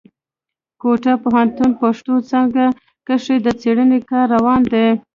کوټه پوهنتون پښتو څانګه کښي د څېړني کار روان دی.